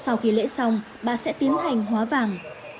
sau khi lễ xong bà sẽ tiến hành hóa vàng